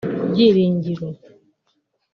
Byiringiro